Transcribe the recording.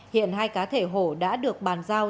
hiện hai cá thể hổ đã được bàn giao